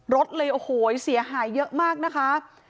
รถเลยโอ้โหเสียหายเยอะมากนะคะ